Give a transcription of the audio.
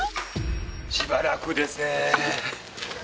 しばらくですね。